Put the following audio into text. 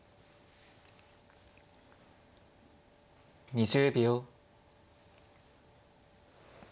２０秒。